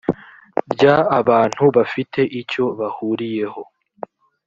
ry abantu bafite icyo bahuriyeho